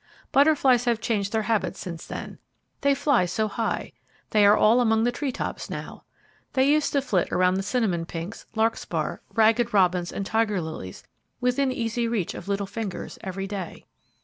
Butterflies have changed their habits since then. They fly so high! They are all among the treetops now. They used to flit around the cinnamon pinks, larkspur, ragged robins and tiger lilies, within easy reach of little fingers, every day.